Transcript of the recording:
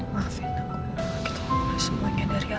maafin aku kita ngomongin semuanya dari awal